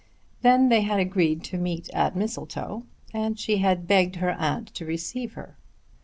Then they had agreed to meet at Mistletoe, and she had begged her aunt to receive her.